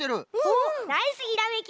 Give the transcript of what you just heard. ナイスひらめき。